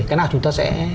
cái nào chúng ta sẽ